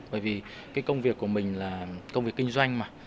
bởi vì cái công việc của mình là công việc kinh doanh mà